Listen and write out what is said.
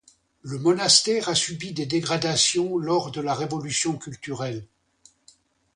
Le monastère a subi des dégradations lors de la révolution culturelle.